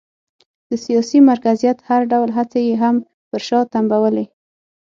د سیاسي مرکزیت هر ډول هڅې یې هم پر شا تمبولې.